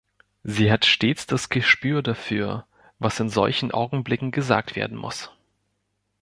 Sie hat stets das Gespür dafür, was in solchen Augenblicken gesagt werden muss.